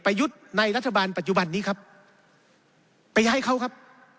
ยุทธ์ในรัฐบาลปัจจุบันนี้ครับไปย้ายเขาครับ